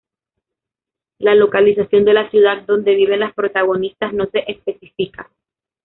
La localización de la ciudad donde viven las protagonistas no se especifica.